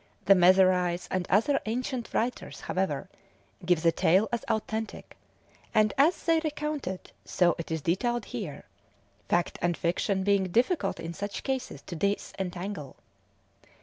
The Mezerays and other ancient writers, however, give the tale as authentic, and as they recount it so it is detailed here; fact and fiction being difficult in such cases to disentangle.